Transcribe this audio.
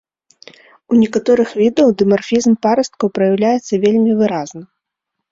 У некаторых відаў дымарфізм парасткаў праяўляецца вельмі выразна.